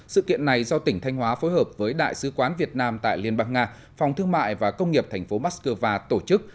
sự kiện này do tỉnh thanh hóa phối hợp với đại sứ quán việt nam tại liên bang nga phòng thương mại và công nghiệp thành phố mắc cơ va tổ chức